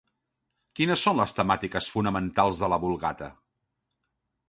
Quines són les temàtiques fonamentals de la Vulgata?